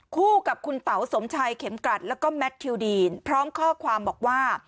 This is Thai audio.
คู่กับคุณเต๋าสมชัยเข็มกลัดแล้วก็แมททิวดีนพร้อมข้อความบอกว่า